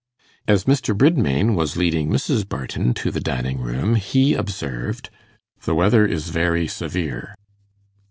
As Mr. Bridmain was leading Mrs. Barton to the dining room, he observed, 'The weather is very severe.